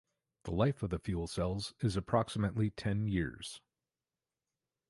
The life of the fuel cells is approximately ten years.